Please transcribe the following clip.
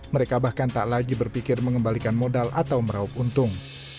mereka bahkan tak lagi berpikir mengembalikan modal atau meraup untung